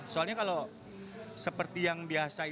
soalnya kalau seperti yang biasa itu